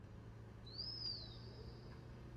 huku wengine wakifia hospitalini